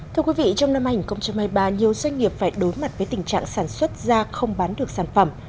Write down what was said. thưa quý vị trong năm hai nghìn hai mươi ba nhiều doanh nghiệp phải đối mặt với tình trạng sản xuất ra không bán được sản phẩm